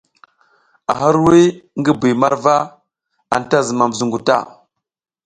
A hirwuy ngi bi marwa, anta zumam zungu ta.